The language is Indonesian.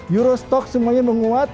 eurostock semuanya menguat